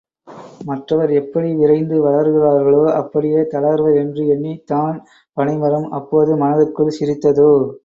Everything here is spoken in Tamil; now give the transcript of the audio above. மற்றவர் எப்படி விரைந்து வளர்கிறார்களோ, அப்படியே தளர்வர் என்று எண்ணித் தான் பனைமரம் அப்போது மனதுக்குள் சிரித்ததோ?